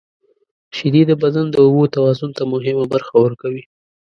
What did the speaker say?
• شیدې د بدن د اوبو توازن ته مهمه برخه ورکوي.